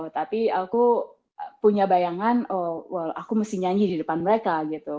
tapi aku punya bayangan aku mesti nyanyi di depan mereka gitu